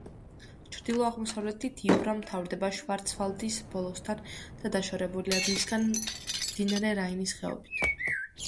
ჩრდილო-აღმოსავლეთით იურა მთავრდება შვარცვალდის ბოლოსთან და დაშორებულია მისგან მდინარე რაინის ხეობით.